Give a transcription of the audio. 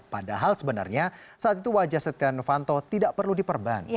padahal sebenarnya saat itu wajah setia novanto tidak perlu diperban